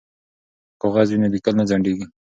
که کاغذ وي نو لیکل نه ځنډیږي.